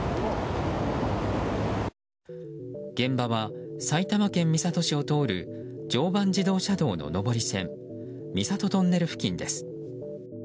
現場は埼玉県三郷市を通る常磐自動車道の上り線三郷トンネル付近です。